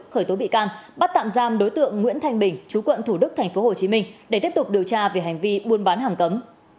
khởi tố bị can bắt tạm giam đối tượng nguyễn thanh bình chú quận thủ đức tp hcm để tiếp tục điều tra về hành vi buôn bán hàng cấm